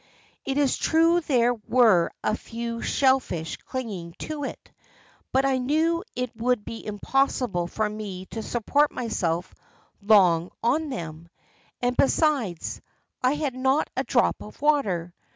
It is true there were a few shell fish clinging to it, but I knew it would be impossible for me to support myself long on them, and besides, I had not a drop of water.